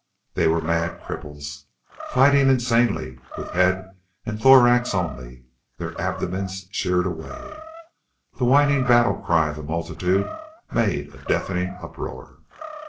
There were mad cripples, fighting insanely with head and thorax only, their abdomens sheared away. The whining battle cry of the multitude made a deafening uproar.